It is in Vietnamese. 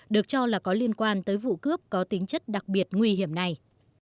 được cho là có liên quan tới vụ cướp có tính chất đặc biệt nguy hiểm này